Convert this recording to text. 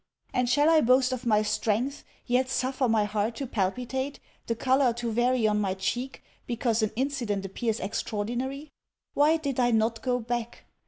And shall I boast of my strength, yet suffer my heart to palpitate, the colour to vary on my cheek, because an incident appears extraordinary? Why did I not go back?